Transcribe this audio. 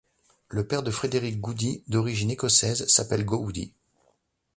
Le père de Frederic Goudy, d'origine écossaise, s'appelle Gowdy.